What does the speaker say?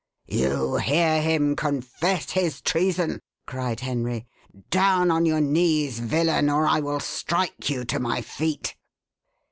"You hear him confess his treason," cried Henry; "down on your knees, villain, or I will strike you to my feet."